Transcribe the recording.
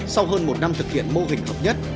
sau hơn một năm thực hiện mô hình hợp nhất